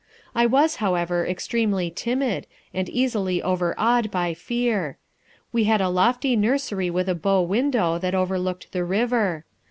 I was, however, extremely timid, and easily overawed by fear. We had a lofty nursery with a bow window that overlooked the river.